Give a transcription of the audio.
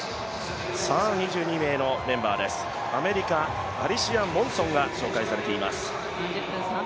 ２２名のメンバーですアメリカ、アリシア・モンソンが紹介されています。